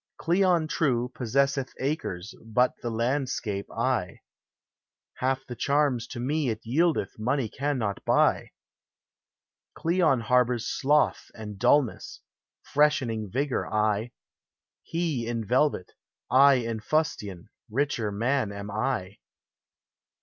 Cleon, true, possesseth acres, but the landscape I ; Half the charms to me it yieldeth money cannot buy t Cleon harbors sloth and dulness, freshening vigor 1 4 He in velvet, I in fustian, richer man am I.